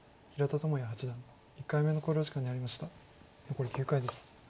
残り９回です。